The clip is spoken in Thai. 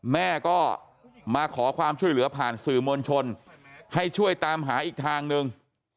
แม่ก็มาขอความช่วยเหลือผ่านสื่อมวลชนให้ช่วยตามหาอีกทางหนึ่ง